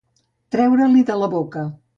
Treure-li de la boca.